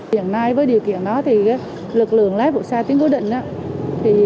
hiện nay với điều kiện đó lực lượng lái bộ xe tiến cố định